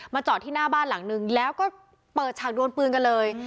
จอดที่หน้าบ้านหลังนึงแล้วก็เปิดฉากดวนปืนกันเลย